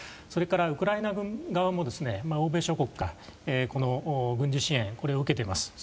それから、ウクライナ側も欧米諸国から軍事支援を受けています。